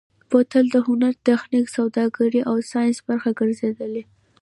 بوتل د هنر، تخنیک، سوداګرۍ او ساینس برخه ګرځېدلی.